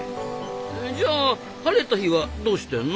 じゃあ晴れた日はどうしてんの？